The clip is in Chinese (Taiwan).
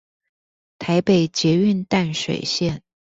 臺北捷運淡水線